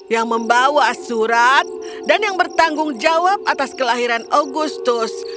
yang membawa surat dan yang bertanggung jawab atas kelahiran agustus